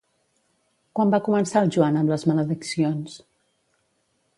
Quan va començar el Joan amb les malediccions?